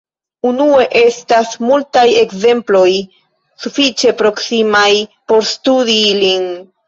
Unue, estas multaj ekzemploj sufiĉe proksimaj por studi ilin.